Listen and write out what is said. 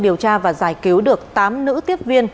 điều tra và giải cứu được tám nữ tiếp viên